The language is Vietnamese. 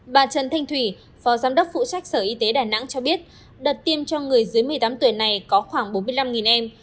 bà trần thanh thủy phó giám đốc phụ trách sở y tế đà nẵng cho biết đợt tiêm cho người dưới một mươi tám tuổi này có khoảng bốn mươi năm em